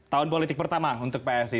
tahun politik pertama untuk psi